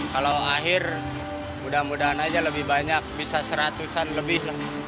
kalau akhir mudah mudahan aja lebih banyak bisa seratusan lebih